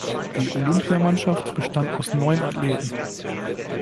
Die Olympiamannschaft bestand aus neun Athleten.